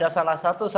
harvard ada juga